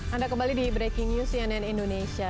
anda kembali di breaking news cnn indonesia